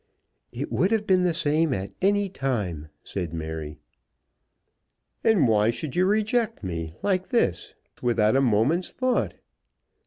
"It would have been the same at any time," said Mary. "And why should you reject me, like this; without a moment's thought?"